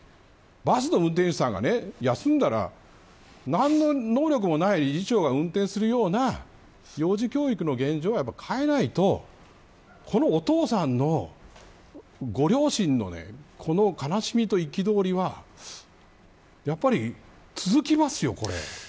バスの運転手さんが休んだら何の能力もない理事長が運転するような幼児教育の現状を変えないとこのお父さんの、ご両親の悲しみと憤りはやっぱり続きますよ、これ。